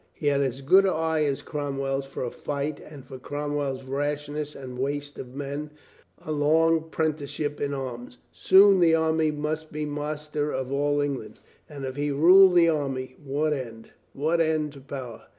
He had as good an eye as Cromwell's for a fight arid for Cromwell's rashness and waste of men, a long prenticeship in arms. Soon the army must be master of all England, and if he ruled the army — what end, what end to power?